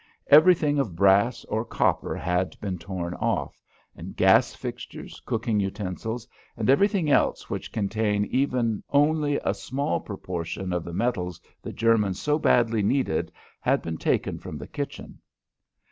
Everything of brass or copper had been torn off, and gas fixtures, cooking utensils, and everything else which contain even only a small proportion of the metals the Germans so badly needed had been taken from the kitchen.